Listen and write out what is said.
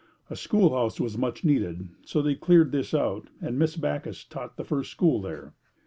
A school house was much needed so they cleared this out and Miss Backus taught the first school there.